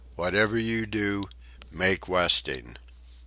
Whatever you do, make westing.